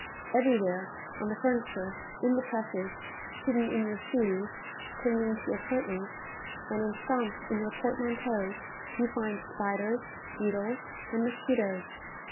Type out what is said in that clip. Everywhere, on the furniture, in the presses, hidden in your shoes, clinging to your curtains, and ensconced in your portmanteaus, you find spiders, beetles, and mosquitoes.